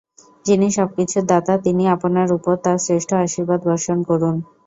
যিনি সব কিছুর দাতা, তিনি আপনার উপর তাঁর শ্রেষ্ঠ আশীর্বাদ বর্ষণ করুন।